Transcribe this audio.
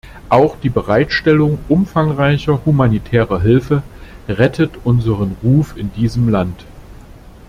Auch die Bereitstellung umfangreicher humanitärer Hilfe rettete unseren Ruf in diesem Land.